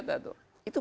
itu masalahnya kan